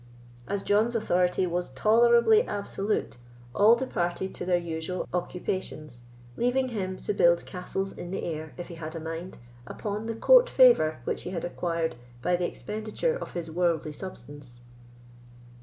As John's authority was tolerably absolute, all departed to their usual occupations, leaving him to build castles in the air, if he had a mind, upon the court favour which he had acquired by the expenditure of his worldly substance.